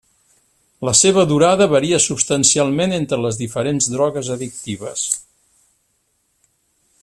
La seva durada varia substancialment entre les diferents drogues addictives.